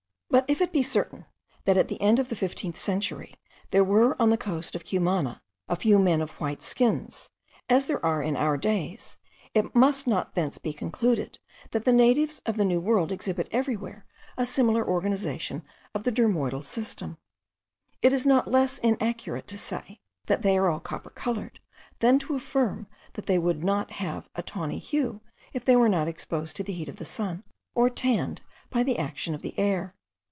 But if it be certain, that at the end of the fifteenth century there were on the coast of Cumana a few men with white skins, as there are in our days, it must not thence be concluded, that the natives of the New World exhibit everywhere a similar organization of the dermoidal system. It is not less inaccurate to say, that they are all copper coloured, than to affirm that they would not have a tawny hue, if they were not exposed to the heat of the sun, or tanned by the action of the air.